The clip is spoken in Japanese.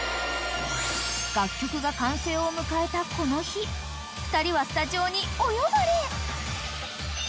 ［楽曲が完成を迎えたこの日２人はスタジオにお呼ばれ］